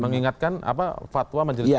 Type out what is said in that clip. mengingatkan apa fatwa majelis ulama